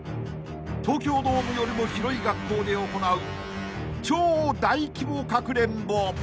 ［東京ドームよりも広い学校で行う超大規模かくれんぼ］